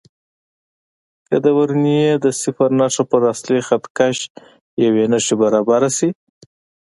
که د ورنیې د صفر نښه پر اصلي خط کش یوې نښې برابره شي.